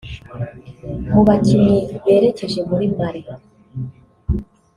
Mu bakinnyi berekeje muri Mali